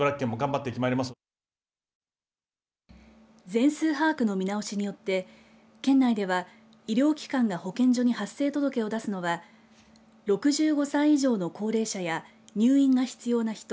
全数把握の見直しによって県内では医療機関が保健所に発生届を出すのは６５歳以上の高齢者や入院が必要な人。